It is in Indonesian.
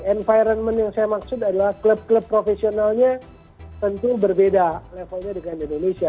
environment yang saya maksud adalah klub klub profesionalnya tentu berbeda levelnya dengan indonesia